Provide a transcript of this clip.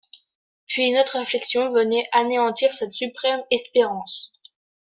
Puis une autre réflexion venait anéantir cette suprême espérance.